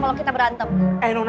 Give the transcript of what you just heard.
kalau kita berantem mereka seneng dong